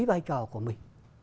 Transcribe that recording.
vai trò của mình